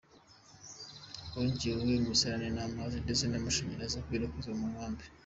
Hongererwe imisarane n’amazi ndetse n’amashanyarazi akwirakwizwa mu nkambi.